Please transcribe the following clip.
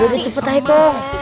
udah cepet aiko